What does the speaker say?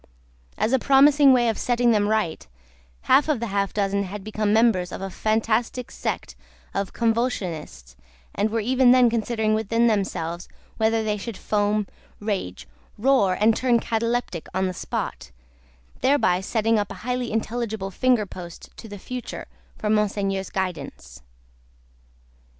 As a promising way of setting them right, half of the half dozen had become members of a fantastic sect of Convulsionists, and were even then considering within themselves whether they should foam, rage, roar, and turn cataleptic on the spot thereby setting up a highly intelligible finger post to the Future, for Monseigneur's guidance.